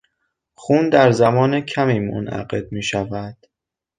خون در زمان کمی منعقد میشود.